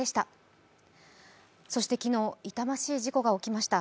昨日、痛ましい事故が起きました。